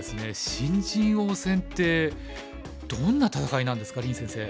新人王戦ってどんな戦いなんですか林先生。